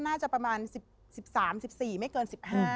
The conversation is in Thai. น่าจะประมาณ๑๓๑๔ไม่เกิน๑๕